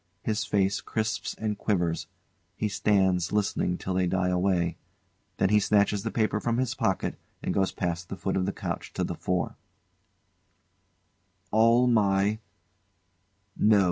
His face crisps and quivers; he stands listening till they die away. Then he snatches the paper from his pocket, and goes past the foot of the couch to the fore.] All my No!